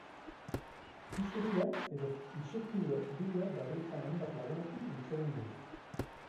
Pisu bila edo pisukide bila dabiltzan hainbat lagunekin hitz egin dugu.